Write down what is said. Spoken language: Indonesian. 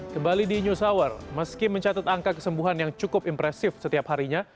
kembali di news hour meski mencatat angka kesembuhan yang cukup impresif setiap harinya